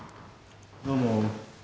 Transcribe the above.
どうも。